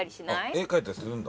絵描いたりするんだ。